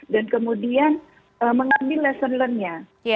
dan kemudian mengambil lesson learnednya